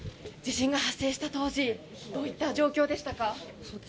地震が発生した当時どういう状況でしたか。